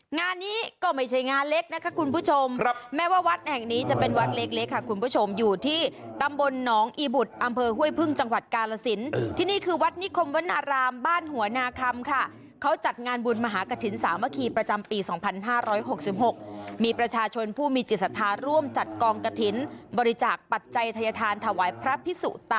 งานนี้ก็ไม่ใช่งานเล็กนะคะคุณผู้ชมแม้ว่าวัดแห่งนี้จะเป็นวัดเล็กค่ะคุณผู้ชมอยู่ที่ตำบลหนองอีบุตรอำเภอห้วยพึ่งจังหวัดกาลสินที่นี่คือวัดนิคมวนารามบ้านหัวนาคำค่ะเขาจัดงานบุญมหากฐินสามัคคีประจำปี๒๕๖๖มีประชาชนผู้มีจิตศรัทธาร่วมจัดกองกะถิ่นบริจาคปัจจัยทยธานถวายพระพิสุต